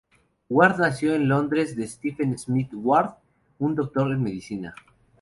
Ward nació en Londres de Stephen Smith Ward, un doctor en medicina.